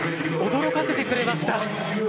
驚かせてくれました。